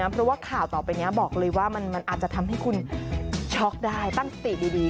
เพราะว่าข่าวต่อไปนี้บอกเลยว่ามันอาจจะทำให้คุณช็อกได้ตั้งสติดี